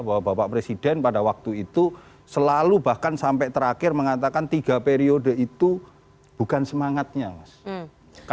bahwa bapak presiden pada waktu itu selalu bahkan sampai terakhir mengatakan tiga periode itu bukan semangatnya mas